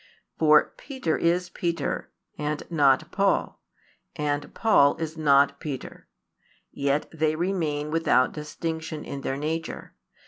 For Peter is Peter, and not Paul, and Paul is not Peter; yet they remain without distinction in their nature.